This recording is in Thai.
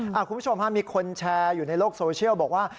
คุณผู้ชมฮะมีคนแชร์อยู่ในโลกโซเชียลบอกว่า